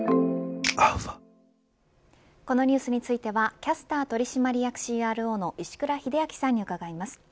このニュースについてはキャスター取締役ＣＲＯの石倉秀明さんに伺います。